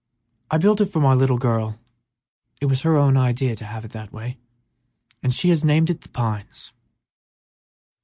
"I built it for my little girl. It was her own idea to have it that way, and she has named it 'The Pines.'